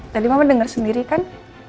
tadi mama dengar sendiri kan